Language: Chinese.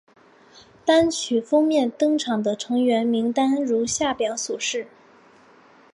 单曲封面登场的成员名单如下表所示。